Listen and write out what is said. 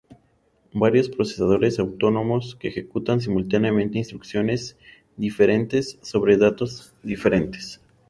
Varios procesadores autónomos que ejecutan simultáneamente instrucciones diferentes sobre datos diferentes.